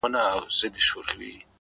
او راته وايي دغه ـ